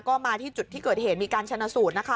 ก็มาที่จุดที่เกิดเหตุมีการชนะสูตรนะคะ